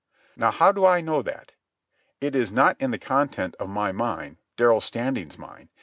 Now how do I know that? It is not in the content of my mind, Darrell Standing's mind.